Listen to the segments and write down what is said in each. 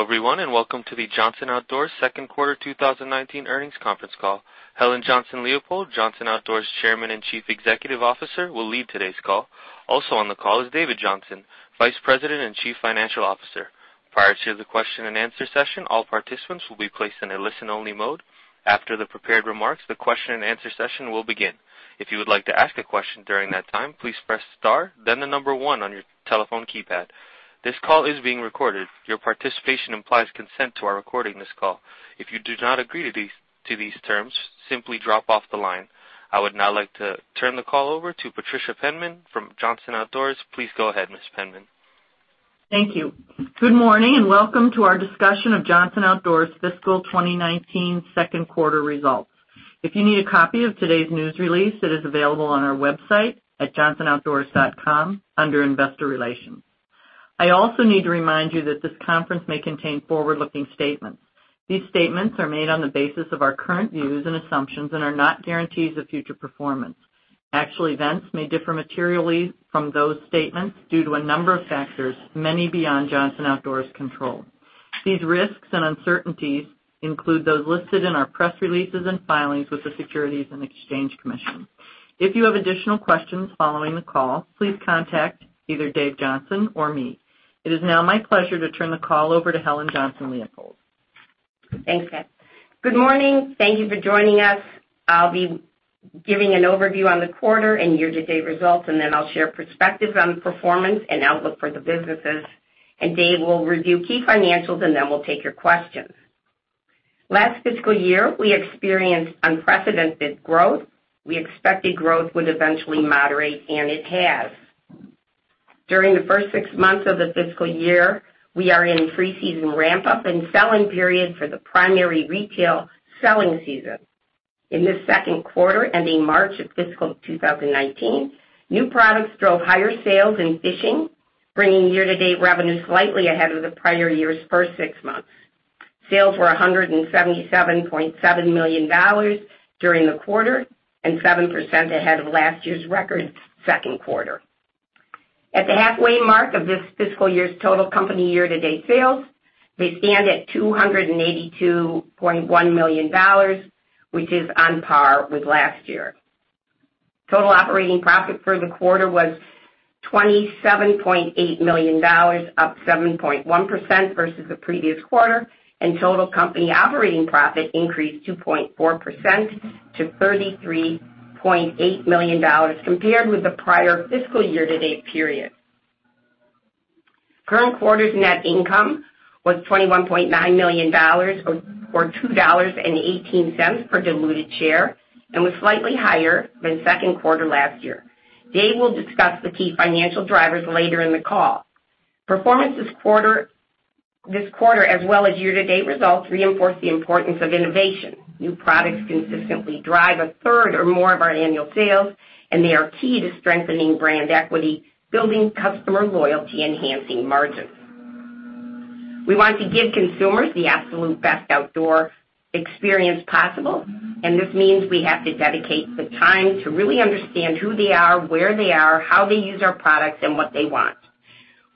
Hello, everyone, welcome to the Johnson Outdoors second quarter 2019 earnings conference call. Helen Johnson-Leipold, Johnson Outdoors Chairman and Chief Executive Officer, will lead today's call. Also on the call is David Johnson, Vice President and Chief Financial Officer. Prior to the question and answer session, all participants will be placed in a listen-only mode. After the prepared remarks, the question and answer session will begin. If you would like to ask a question during that time, please press star, then the number one on your telephone keypad. This call is being recorded. Your participation implies consent to our recording this call. If you do not agree to these terms, simply drop off the line. I would now like to turn the call over to Patricia Penman from Johnson Outdoors. Please go ahead, Ms. Penman. Thank you. Good morning, welcome to our discussion of Johnson Outdoors' fiscal 2019 second quarter results. If you need a copy of today's news release, it is available on our website at johnsonoutdoors.com under Investor Relations. I also need to remind you that this conference may contain forward-looking statements. These statements are made on the basis of our current views and assumptions and are not guarantees of future performance. Actual events may differ materially from those statements due to a number of factors, many beyond Johnson Outdoors' control. These risks and uncertainties include those listed in our press releases and filings with the Securities and Exchange Commission. If you have additional questions following the call, please contact either Dave Johnson or me. It is now my pleasure to turn the call over to Helen Johnson-Leipold. Thanks, Pat. Good morning. Thank you for joining us. I'll be giving an overview on the quarter and year-to-date results. Then I'll share perspectives on performance and outlook for the businesses. Dave will review key financials. Then we'll take your questions. Last fiscal year, we experienced unprecedented growth. We expected growth would eventually moderate. It has. During the first six months of the fiscal year, we are in pre-season ramp-up and sell-in period for the primary retail selling season. In this second quarter, ending March of fiscal 2019, new products drove higher sales in fishing, bringing year-to-date revenue slightly ahead of the prior year's first six months. Sales were $177.7 million during the quarter, 7% ahead of last year's record second quarter. At the halfway mark of this fiscal year's total company year-to-date sales, we stand at $282.1 million, which is on par with last year. Total operating profit for the quarter was $27.8 million, up 7.1% versus the previous quarter. Total company operating profit increased 2.4% to $33.8 million compared with the prior fiscal year-to-date period. Current quarter's net income was $21.9 million, or $2.18 per diluted share. Was slightly higher than second quarter last year. Dave will discuss the key financial drivers later in the call. Performance this quarter as well as year-to-date results reinforce the importance of innovation. New products consistently drive a third or more of our annual sales. They are key to strengthening brand equity, building customer loyalty, enhancing margins. We want to give consumers the absolute best outdoor experience possible. This means we have to dedicate the time to really understand who they are, where they are, how they use our products, and what they want.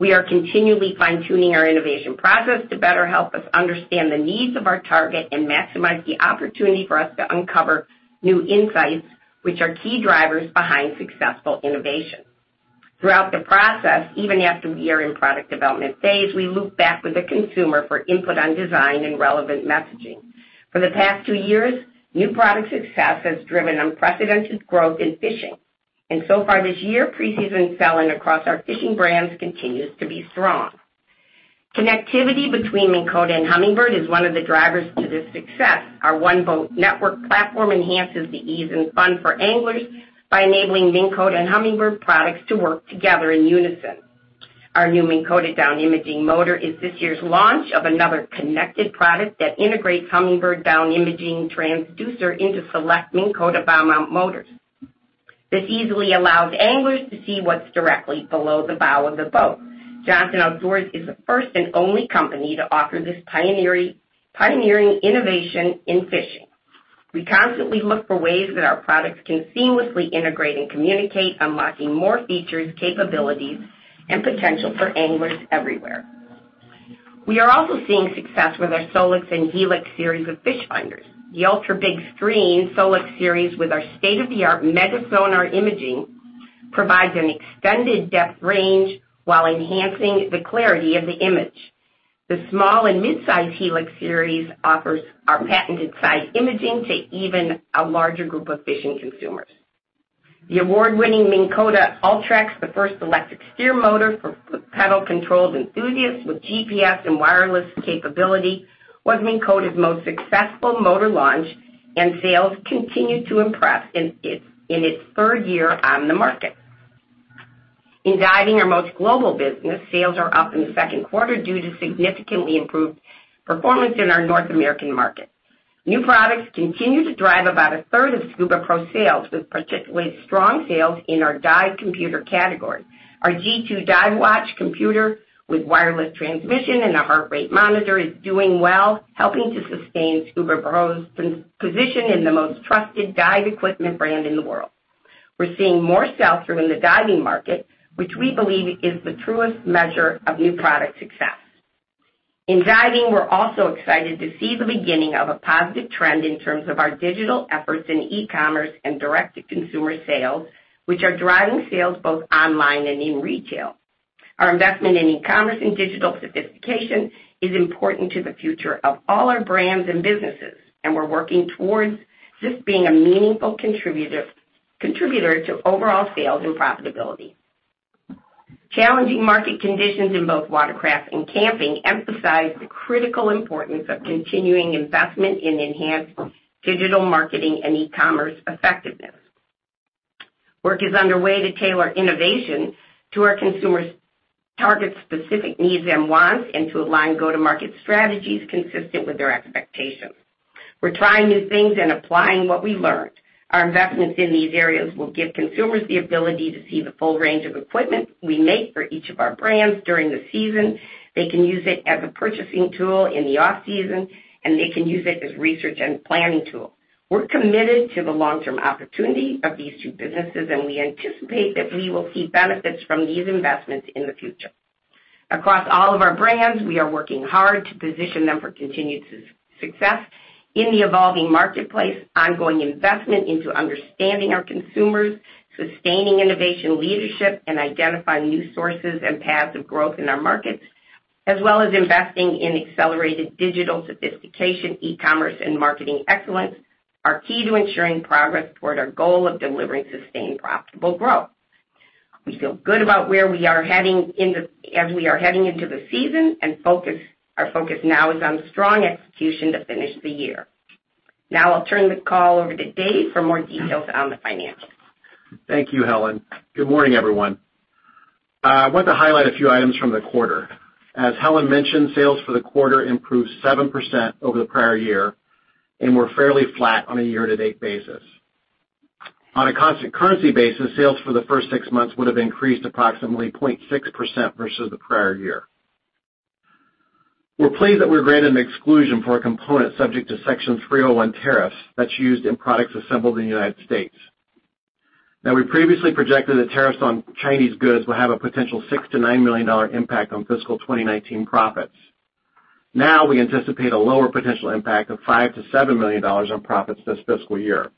We are continually fine-tuning our innovation process to better help us understand the needs of our target and maximize the opportunity for us to uncover new insights, which are key drivers behind successful innovation. Throughout the process, even after we are in product development phase, we loop back with the consumer for input on design and relevant messaging. For the past two years, new product success has driven unprecedented growth in fishing. So far this year, pre-season selling across our fishing brands continues to be strong. Connectivity between Minn Kota and Humminbird is one of the drivers to this success. Our One-Boat Network platform enhances the ease and fun for anglers by enabling Minn Kota and Humminbird products to work together in unison. Our new Minn Kota Down Imaging motor is this year's launch of another connected product that integrates Humminbird Down Imaging transducer into select Minn Kota bow mount motors. This easily allows anglers to see what's directly below the bow of the boat. Johnson Outdoors is the first and only company to offer this pioneering innovation in fishing. We constantly look for ways that our products can seamlessly integrate and communicate, unlocking more features, capabilities, and potential for anglers everywhere. We are also seeing success with our SOLIX and HELIX series of fish finders. The ultra-big screen SOLIX series with our state-of-the-art MEGA Imaging provides an extended depth range while enhancing the clarity of the image. The small and mid-size HELIX series offers our patented Side Imaging to even a larger group of fishing consumers. The award-winning Minn Kota Ultrex, the first electric steer motor for pedal controls enthusiasts with GPS and wireless capability, was Minn Kota's most successful motor launch. Sales continue to impress in its third year on the market. In diving, our most global business, sales are up in the second quarter due to significantly improved performance in our North American market. New products continue to drive about a third of SCUBAPRO sales, with particularly strong sales in our dive computer category. Our G2 dive watch computer with wireless transmission and a heart rate monitor is doing well, helping to sustain SCUBAPRO's position in the most trusted dive equipment brand in the world. We're seeing more sales from in the diving market, which we believe is the truest measure of new product success. In diving, we're also excited to see the beginning of a positive trend in terms of our digital efforts in e-commerce and direct-to-consumer sales, which are driving sales both online and in retail. Our investment in e-commerce and digital sophistication is important to the future of all our brands and businesses. We're working towards this being a meaningful contributor to overall sales and profitability. Challenging market conditions in both Watercraft and Camping emphasize the critical importance of continuing investment in enhanced digital marketing and e-commerce effectiveness. Work is underway to tailor innovation to our consumers' target specific needs and wants. To align go-to-market strategies consistent with their expectations. We're trying new things and applying what we learned. Our investments in these areas will give consumers the ability to see the full range of equipment we make for each of our brands during the season. They can use it as a purchasing tool in the off-season, and they can use it as a research and planning tool. We're committed to the long-term opportunity of these two businesses, and we anticipate that we will see benefits from these investments in the future. Across all of our brands, we are working hard to position them for continued success in the evolving marketplace, ongoing investment into understanding our consumers, sustaining innovation leadership, and identifying new sources and paths of growth in our markets, as well as investing in accelerated digital sophistication, e-commerce, and marketing excellence are key to ensuring progress toward our goal of delivering sustained profitable growth. We feel good about where we are heading into the season, and our focus now is on strong execution to finish the year. I'll turn the call over to Dave for more details on the financials. Thank you, Helen. Good morning, everyone. I want to highlight a few items from the quarter. As Helen mentioned, sales for the quarter improved 7% over the prior year and were fairly flat on a year-to-date basis. On a constant currency basis, sales for the first six months would have increased approximately 0.6% versus the prior year. We're pleased that we were granted an exclusion for a component subject to Section 301 tariffs that's used in products assembled in the United States. We previously projected that tariffs on Chinese goods will have a potential $6 million-$9 million impact on fiscal 2019 profits. We anticipate a lower potential impact of $5 million-$7 million on profits this fiscal year.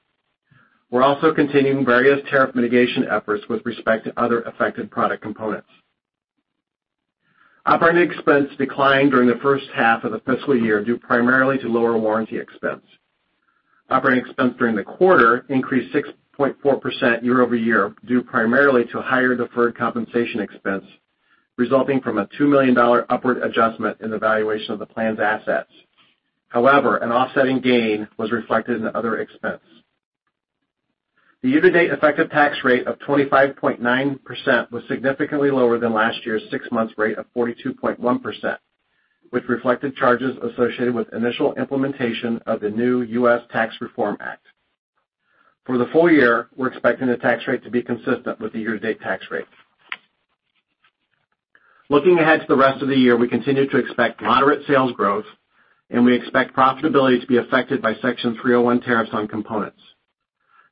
We're also continuing various tariff mitigation efforts with respect to other affected product components. Operating expense declined during the first half of the fiscal year, due primarily to lower warranty expense. Operating expense during the quarter increased 6.4% year-over-year, due primarily to higher deferred compensation expense resulting from a $2 million upward adjustment in the valuation of the planned assets. However, an offsetting gain was reflected in other expense. The year-to-date effective tax rate of 25.9% was significantly lower than last year's six-month rate of 42.1%, which reflected charges associated with initial implementation of the new Tax Cuts and Jobs Act of 2017. For the full year, we're expecting the tax rate to be consistent with the year-to-date tax rate. Looking ahead to the rest of the year, we continue to expect moderate sales growth, and we expect profitability to be affected by Section 301 tariffs on components.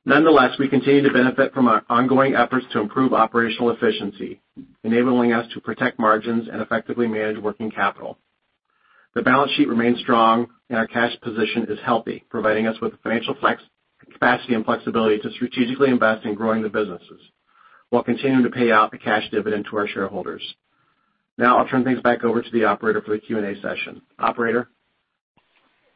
Nonetheless, we continue to benefit from our ongoing efforts to improve operational efficiency, enabling us to protect margins and effectively manage working capital. The balance sheet remains strong and our cash position is healthy, providing us with the financial capacity and flexibility to strategically invest in growing the businesses while continuing to pay out the cash dividend to our shareholders. I'll turn things back over to the operator for the Q&A session. Operator?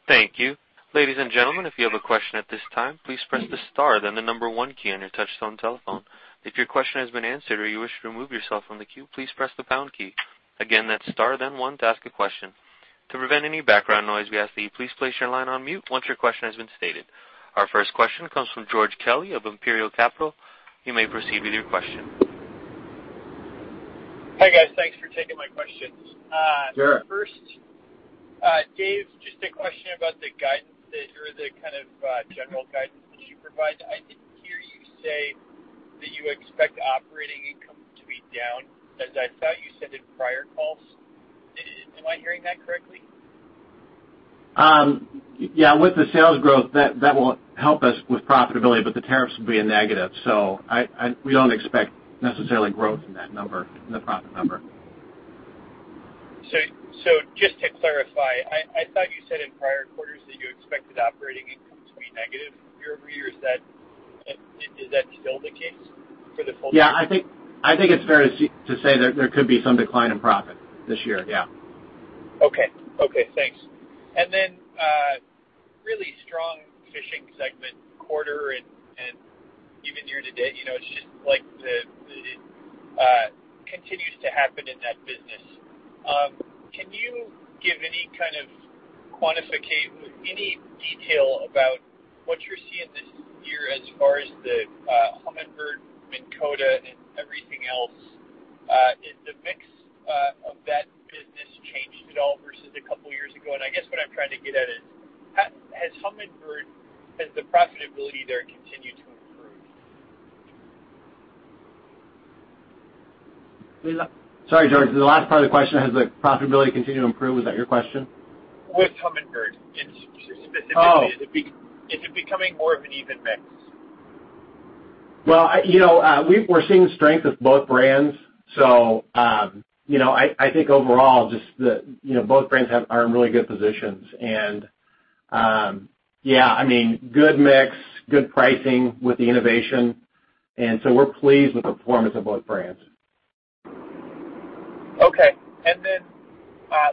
Thank you. Ladies and gentlemen, if you have a question at this time, please press the star then the number one key on your touchtone telephone. If your question has been answered or you wish to remove yourself from the queue, please press the pound key. Again, that's star then one to ask a question. To prevent any background noise, we ask that you please place your line on mute once your question has been stated. Our first question comes from George Kelly of Imperial Capital. You may proceed with your question. Hi, guys. Thanks for taking my questions. Sure. First, Dave, just a question about the guidance that, or the kind of general guidance that you provide. I didn't hear you say that you expect operating income to be down, as I thought you said in prior calls. Am I hearing that correctly? Yeah. With the sales growth, that will help us with profitability, but the tariffs will be a negative, so we don't expect necessarily growth in that number, in the profit number. Just to clarify, I thought you said in prior quarters that you expected operating income to be negative year-over-year. Is that still the case for the full- Yeah, I think it's fair to say that there could be some decline in profit this year. Yeah. Okay. Thanks. Really strong fishing segment quarter and even year-to-date. It's just like it continues to happen in that business. Can you give any kind of quantification, any detail about what you're seeing this year as far as the Humminbird, Minn Kota, and everything else? Is the mix of that business changed at all versus a couple of years ago? I guess what I'm trying to get at is, has Humminbird, has the profitability there continued to improve? Sorry, George, the last part of the question, has the profitability continued to improve? Was that your question? With Humminbird, specifically. Oh. Is it becoming more of an even mix? Well, we're seeing strength with both brands. I think overall, both brands are in really good positions. Yeah, good mix, good pricing with the innovation, we're pleased with the performance of both brands. Okay.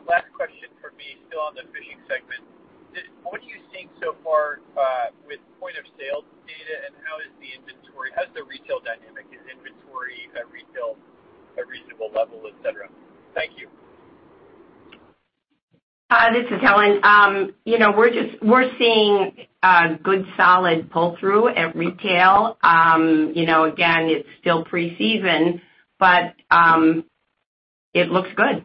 Last question from me, still on the fishing segment. What are you seeing so far with point-of-sale data, and how is the inventory? How's the retail dynamic? Is inventory at retail a reasonable level, et cetera? Thank you. This is Helen. We're seeing a good solid pull-through at retail. Again, it's still pre-season, it looks good.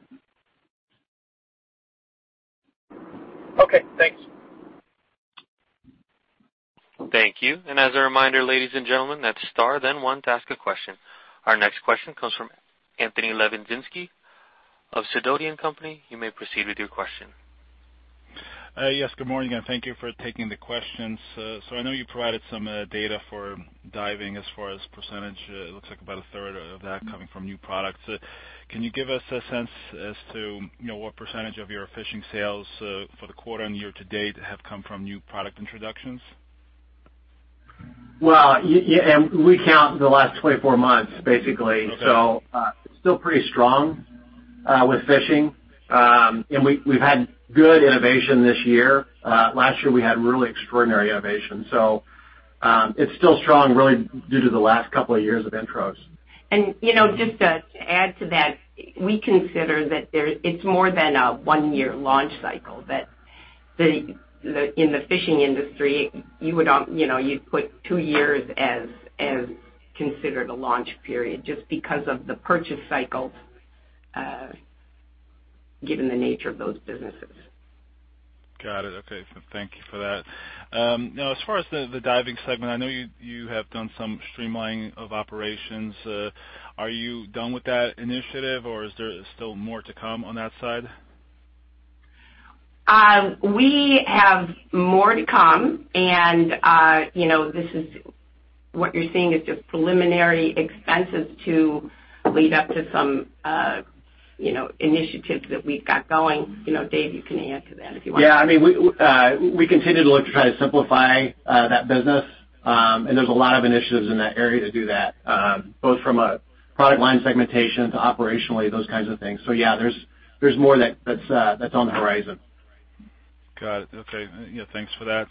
Okay, thanks. Thank you. As a reminder, ladies and gentlemen, that's star then one to ask a question. Our next question comes from Anthony Lebiedzinski of Sidoti & Company. You may proceed with your question. Yes, good morning, thank you for taking the questions. I know you provided some data for diving as far as %. It looks like about a third of that coming from new products. Can you give us a sense as to what % of your fishing sales for the quarter and year-to-date have come from new product introductions? Well, we count the last 24 months, basically. Okay. Still pretty strong with fishing. We've had good innovation this year. Last year, we had really extraordinary innovation. It's still strong, really due to the last couple of years of intros. Just to add to that, we consider that it's more than a one-year launch cycle, that in the fishing industry, you'd put two years as considered a launch period just because of the purchase cycles, given the nature of those businesses. Got it. Okay. Thank you for that. Now as far as the diving segment, I know you have done some streamlining of operations. Are you done with that initiative, or is there still more to come on that side? We have more to come. What you're seeing is just preliminary expenses to lead up to some initiatives that we've got going. Dave, you can add to that if you want. We continue to look to try to simplify that business. There's a lot of initiatives in that area to do that, both from a product line segmentation to operationally, those kinds of things. There's more that's on the horizon. Got it. Okay. Thanks for that.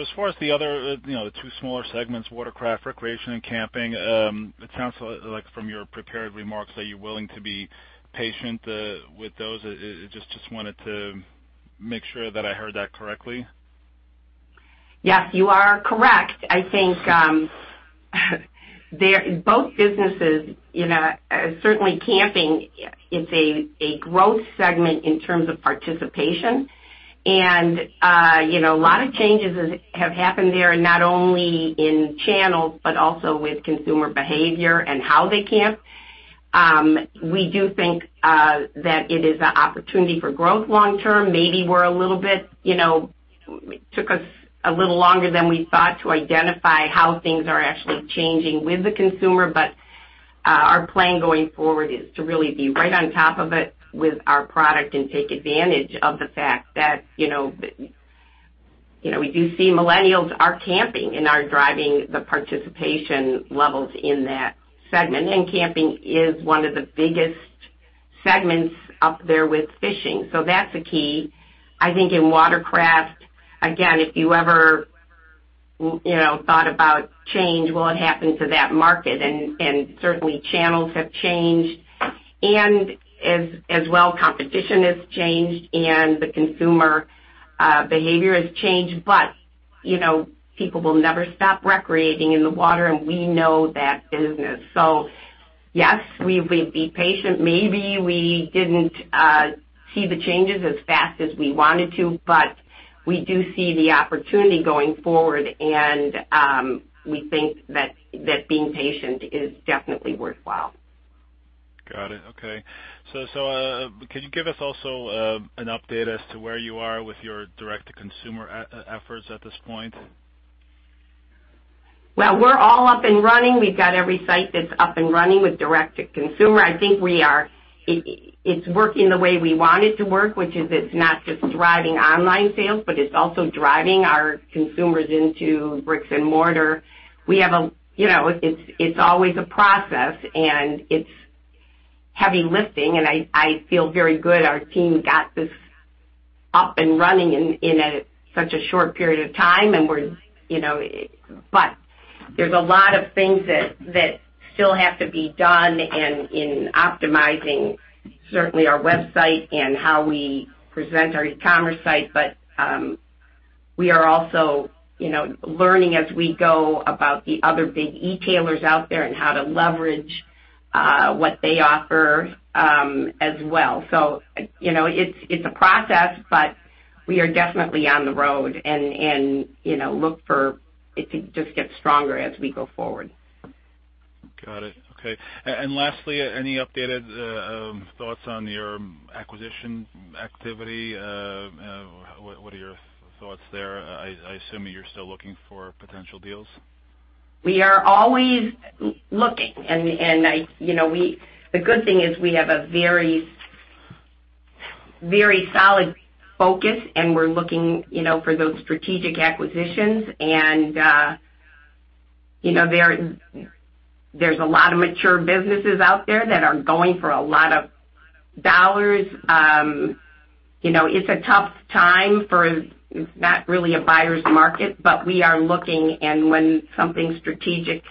As far as the other two smaller segments, Watercraft, Recreation, and Camping, it sounds like from your prepared remarks that you're willing to be patient with those. Just wanted to make sure that I heard that correctly. Yes, you are correct. I think both businesses, certainly Camping, it's a growth segment in terms of participation. A lot of changes have happened there, not only in channels but also with consumer behavior and how they camp. We do think that it is an opportunity for growth long term. Maybe it took us a little longer than we thought to identify how things are actually changing with the consumer. Our plan going forward is to really be right on top of it with our product and take advantage of the fact that we do see millennials are camping and are driving the participation levels in that segment. Camping is one of the biggest segments up there with fishing, so that's a key. I think in Watercraft, again, if you ever thought about change, well, it happened to that market, and certainly channels have changed. As well, competition has changed, and the consumer behavior has changed. People will never stop recreating in the water, and we know that business. Yes, we'd be patient. Maybe we didn't see the changes as fast as we wanted to, but we do see the opportunity going forward, and we think that being patient is definitely worthwhile. Got it. Okay. Could you give us also an update as to where you are with your direct-to-consumer efforts at this point? We're all up and running. We've got every site that's up and running with direct-to-consumer. I think it's working the way we want it to work, which is it's not just driving online sales, but it's also driving our consumers into bricks and mortar. It's always a process, and it's heavy lifting, and I feel very good our team got this up and running in such a short period of time. There's a lot of things that still have to be done in optimizing, certainly our website and how we present our e-commerce site. We are also learning as we go about the other big e-tailers out there and how to leverage what they offer as well. It's a process, but we are definitely on the road, and look for it to just get stronger as we go forward. Got it. Okay. Lastly, any updated thoughts on your acquisition activity? What are your thoughts there? I assume you're still looking for potential deals. We are always looking. The good thing is we have a very solid focus, and we're looking for those strategic acquisitions. There's a lot of mature businesses out there that are going for a lot of dollars. It's a tough time. It's not really a buyer's market, but we are looking, and when something strategic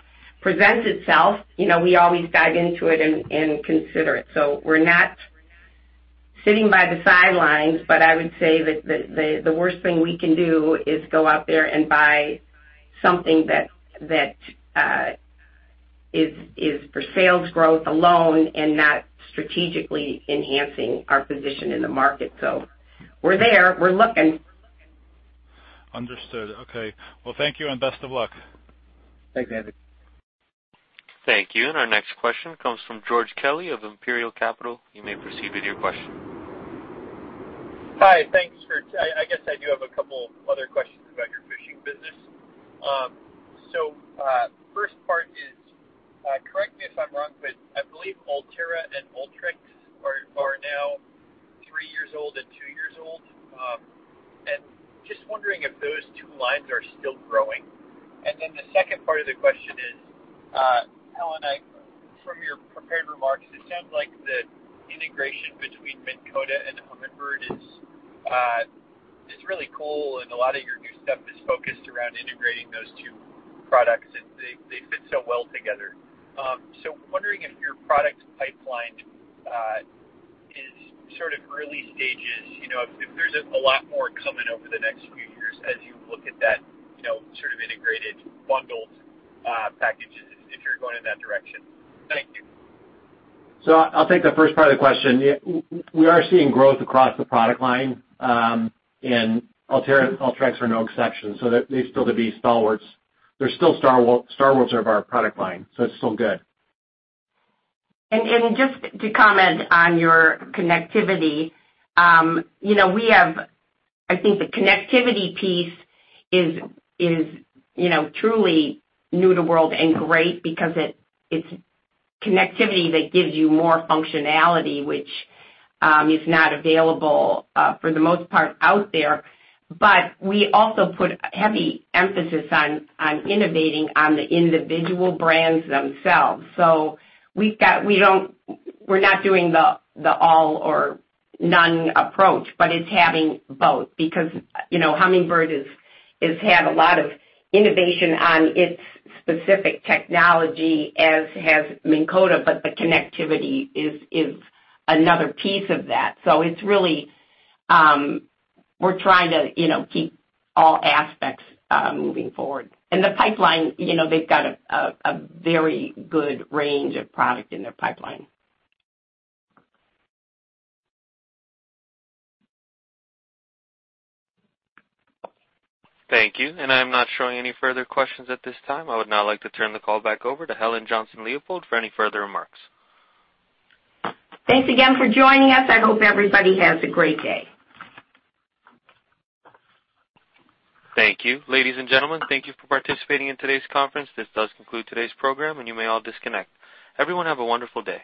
presents itself, we always dive into it and consider it. We're not sitting by the sidelines, but I would say that the worst thing we can do is go out there and buy something that is for sales growth alone and not strategically enhancing our position in the market. We're there. We're looking. Understood. Okay. Well, thank you and best of luck. Thanks, Anthony. Thank you. Our next question comes from George Kelly of Imperial Capital. You may proceed with your question. Hi. Thanks. I guess I do have a couple other questions about your fishing business. First part is, correct me if I'm wrong, but I believe Ulterra and Ultrex are now three years old and two years old. Just wondering if those two lines are still growing. The second part of the question is, Helen, from your prepared remarks, it sounds like the integration between Minn Kota and Humminbird is really cool, and a lot of your new stuff is focused around integrating those two products. They fit so well together. Wondering if your product pipeline is sort of early stages, if there's a lot more coming over the next few years as you look at that sort of integrated bundled packages, if you're going in that direction. Thank you. I'll take the first part of the question. We are seeing growth across the product line, and Ulterra and Ultrex are no exception. They're still the stars of our product line, so it's still good. Just to comment on your connectivity. I think the connectivity piece is truly new to world and great because it's connectivity that gives you more functionality, which is not available, for the most part out there. We also put heavy emphasis on innovating on the individual brands themselves. We're not doing the all or none approach, but it's having both because Humminbird has had a lot of innovation on its specific technology, as has Minn Kota, but the connectivity is another piece of that. We're trying to keep all aspects moving forward. The pipeline, they've got a very good range of product in their pipeline. Thank you. I'm not showing any further questions at this time. I would now like to turn the call back over to Helen Johnson-Leipold for any further remarks. Thanks again for joining us. I hope everybody has a great day. Thank you. Ladies and gentlemen, thank you for participating in today's conference. This does conclude today's program, and you may all disconnect. Everyone, have a wonderful day.